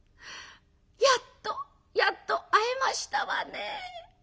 やっとやっと会えましたわね」。